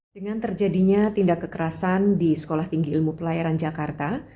dengan terjadinya tindak kekerasan di sekolah tinggi ilmu pelayaran jakarta